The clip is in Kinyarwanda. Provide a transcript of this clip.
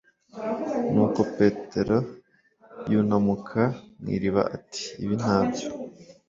nuko petero yunamuka mu iriba, ati ibi ntabyo